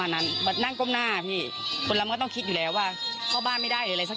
น้องจ้อยนั่งก้มหน้าไม่มีใครรู้ข่าวว่าน้องจ้อยเสียชีวิตไปแล้ว